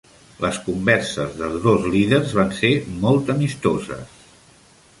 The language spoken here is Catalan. Les converses dels dos líders van ser molt amistoses.